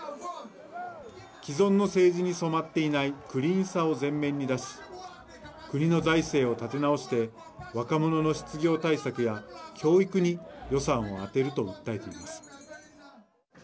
既存の政治に染まっていないクリーンさを前面に出し国の財政を立て直して若者の失業対策や教育に予算を充てると訴えています。